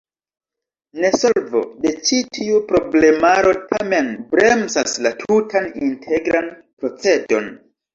Nesolvo de ĉi tiu problemaro tamen bremsas la tutan integran procedon.